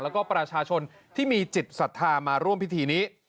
แล้วก็ประชาชนที่มีจิตศรัทธามาร่วมพิธีนี้